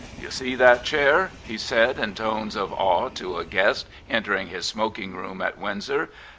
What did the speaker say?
" You see that chair," he said in tones of awe to a guest entering his smoking room at Windsor.